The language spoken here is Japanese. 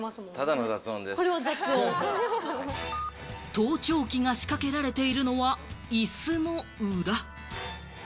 盗聴器が仕掛けられているのはイスの裏。